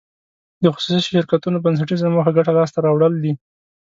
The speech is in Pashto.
د خصوصي شرکتونو بنسټیزه موخه ګټه لاس ته راوړل دي.